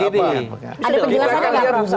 ada penjelasannya nggak prof